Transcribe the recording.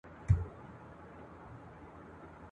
چي ما مه وژنۍ ما څوک نه دي وژلي !.